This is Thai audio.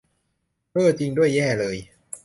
เอ้อ จริงด้วย แย่เลย